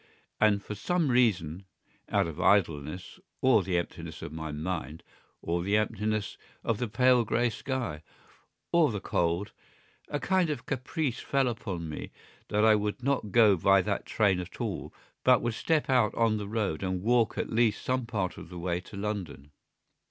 And for some reason, out of idleness or the emptiness of my mind or the emptiness of the pale grey sky, or the cold, a kind of caprice fell upon me that I would not go by that train at all, but would step out on the road and walk at least some part of the way to London.